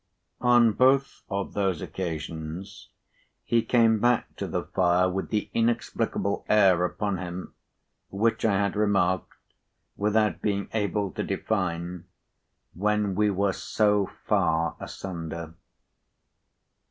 On both of those occasions, he came back to the fire with the inexplicable air upon him which I had remarked, without being able to define, when we were so far asunder.